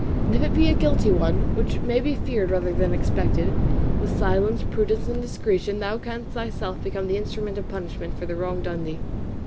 And if it be a guilty one, which may be feared rather than expected, with silence, prudence, and discretion thou canst thyself become the instrument of punishment for the wrong done thee."